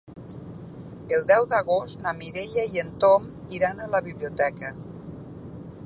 El deu d'agost na Mireia i en Tom iran a la biblioteca.